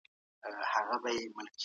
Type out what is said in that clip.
ایا بهرني سوداګر خندان پسته اخلي؟